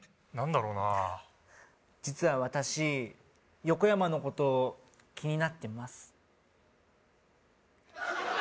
何だろうな実は私ヨコヤマのこと気になってます